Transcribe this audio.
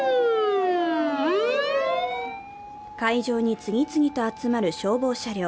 会場に次々と集まる消防車両。